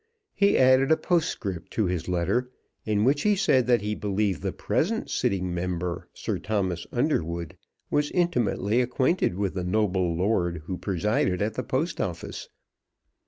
He added a postscript to his letter, in which he said that he believed the present sitting member, Sir Thomas Underwood, was intimately acquainted with the noble lord who presided at the Post Office.